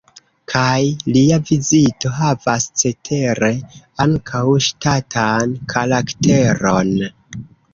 Kaj lia vizito havas cetere ankaŭ ŝtatan karakteron.